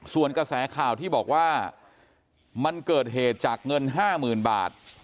ส่วนกระแสข่าวที่บอกว่ามันเกิดเหตุจากเงิน๕๐๐๐บาท